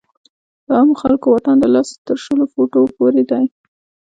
د عامو خلکو واټن له لسو تر شلو فوټو پورې دی.